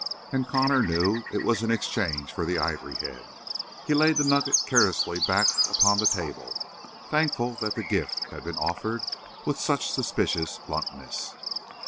And Connor knew; it was an exchange for the ivory head. He laid the nugget carelessly back upon the table, thankful that the gift had been offered with such suspicious bluntness.